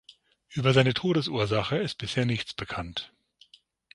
Über seine Todesursache ist bisher nichts bekannt.